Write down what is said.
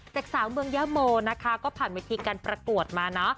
เด็กสาวเมืองเยอะโมนะคะก็ผ่านวิธีการปรากฏมาเนอะ